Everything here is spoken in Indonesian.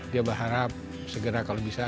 dia berharap segera kalau bisa